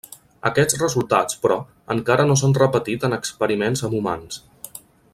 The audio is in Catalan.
Aquests resultats però, encara no s'han repetit en experiments amb humans.